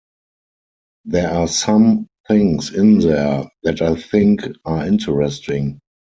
There are some things in there that I think are interesting.